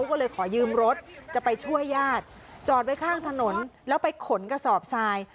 ก็เลยขอยืมรถจะไปช่วยญาติจอดไว้ข้างถนนแล้วไปขนกระสอบทราย